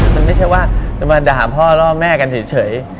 มันไม่ใช่ว่าจะมาด่าพ่อล่อแม่กันเฉย